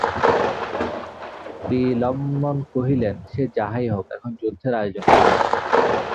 বিল্বন কহিলেন, সে যাহাই হউক, এখন যুদ্ধের আয়োজন করুন।